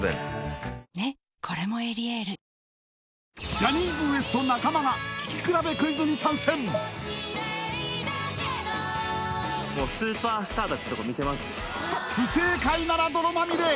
ジャニーズＷＥＳＴ中間が聴き比べクイズに参戦不正解なら泥まみれ